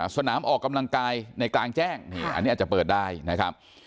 สนามออกกำลังกายในกลางแจ้งอันนี้อาจจะเปิดได้นะครับ